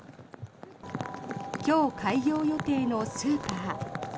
今日開業予定のスーパー。